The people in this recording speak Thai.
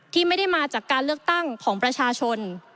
ที่ไม่ได้มาจากการเลือกตั้งของประชาชน